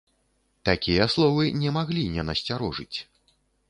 Такія словы не маглі не насцярожыць.